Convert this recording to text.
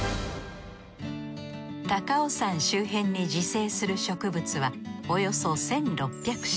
高尾山周辺に自生する植物はおよそ１，６００種。